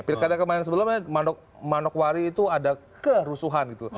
pilkada kemarin sebelumnya manokwari itu ada kerusuhan gitu